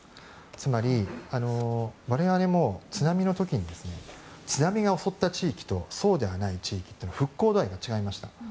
つまり、我々も津波の時に津波が襲った地域とそうではない地域というのは復興度合いが違いました。